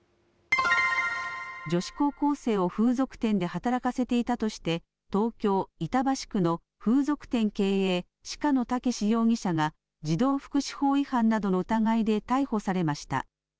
女子高校生を風俗店で働かせていたとして、東京・板橋区の風俗店経営、鹿野健容疑者が児童福祉法違反などの疑いで逮捕されました。